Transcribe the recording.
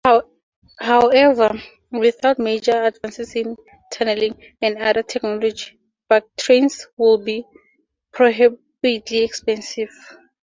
However, without major advances in tunneling and other technology, vactrains would be prohibitively expensive.